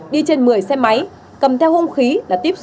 đi trên một mươi xe máy cầm theo hung khí là tiếp xúc